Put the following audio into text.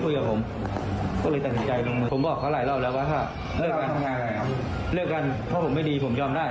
ผมบอกเขาหลายรอบแล้วว่าค่ะเลือกกันเพราะไม่ดีผมยอมได้